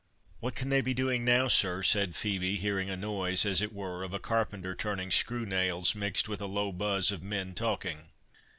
"What can they be doing now, sir?" said Phœbe, hearing a noise as it were of a carpenter turning screw nails, mixed with a low buzz of men talking.